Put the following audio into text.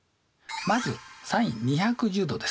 まずｓｉｎ２１０°です。